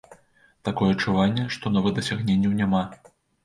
Такое адчуванне, што новых дасягненняў няма.